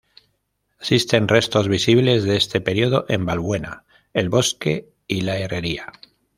Existen restos visibles de este periodo en Valbuena, El Bosque y la Herrería.